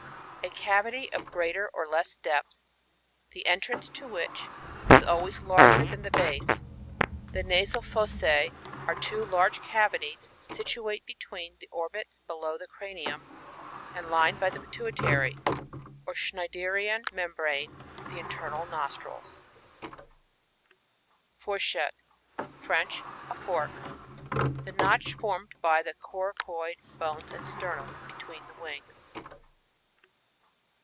A cavity of greater or less depth, the entrance to which is always larger than the base. The nasal fossse are two laige cavities, situate between the orbits below the cranium, and lined by the pituitary, or schneiderian membrane ; the internal nostril^ Fourchette.— French. A fork. Tha notch formed by the coracoid bones and sternum, between the wings.